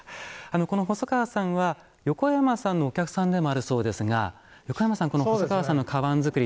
この細川さんは横山さんのお客さんでもあるそうですが横山さん細川さんのかばん作り